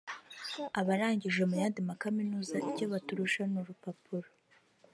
abarangije mu yandi makaminuza icyo baturusha ni urupapuro